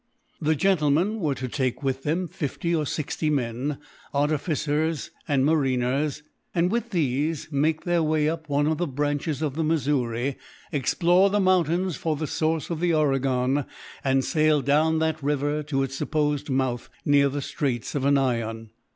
The gentlemen were to take with them fifty or sixty men, artificers and mariners, and, with these, make their way up one of the branches of the Missouri, explore the mountains for the source of the Oregon, and sail down that river to its supposed mouth, near the straits of Annian.